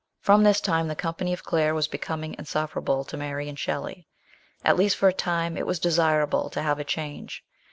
From this time the company of Claire was becoming insufferable to Mary and Shelley. At least lor a time, it was desirable to have a change.